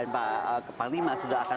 pak lima sudah akan